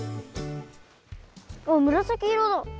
あっむらさき色だ！